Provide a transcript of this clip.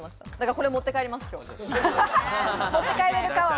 これ持って帰ります。